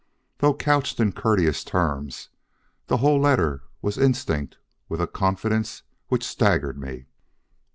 Though couched in courteous terms, the whole letter was instinct with a confidence which staggered me.